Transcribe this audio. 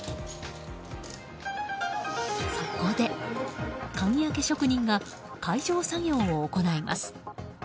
そこで、鍵開け職人が解錠作業を行います。